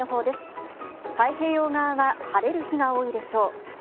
太平洋側は晴れる日が多いでしょう。